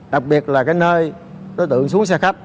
đặc biệt là nơi đối tượng xuống xe khách